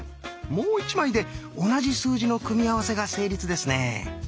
もう１枚で同じ数字の組み合わせが成立ですね。